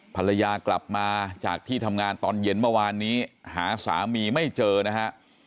ภรรยากลับมาจากที่ทำงานตอนเย็นเมื่อวานนี้หาสามีไม่เจอนะฮะ